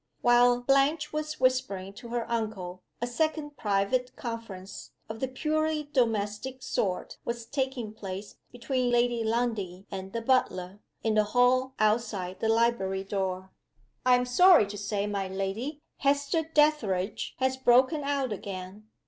While Blanche was whispering to her uncle, a second private conference of the purely domestic sort was taking place between Lady Lundie and the butler, in the hall outside the library door. "I am sorry to say, my lady, Hester Dethridge has broken out again."